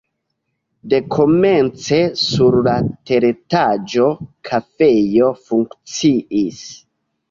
Dekomence sur la teretaĝo kafejo funkciis.